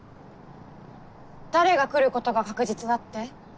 誰が来ることが確実だって？